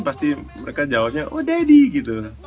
pasti mereka jawabnya oh deddy gitu